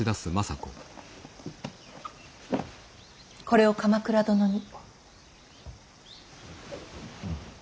これを鎌倉殿に。